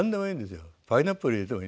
パイナップル入れてもいいんですよ。